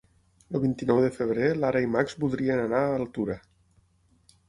El vint-i-nou de febrer na Lara i en Max voldrien anar a Altura.